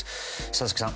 佐々木さん